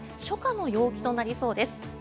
初夏の陽気となりそうです。